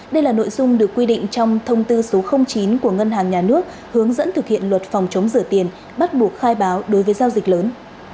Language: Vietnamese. đây là nội dung được quy định trong thông tư số chín của ngân hàng nhà nước hướng dẫn thực hiện luật phòng chống rửa tiền bắt buộc khai báo đối với giao dịch lớn